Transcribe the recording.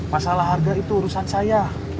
masalah harga itu urusan saya